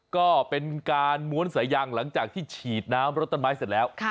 ก็เป็นการม้วนสายยางหลังจากที่ฉีดน้ำรถต้นไม้เสร็จแล้ว